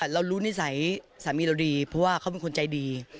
เรารู้นิสัยสามีเราดีเพราะว่าเขาเป็นคนใจดี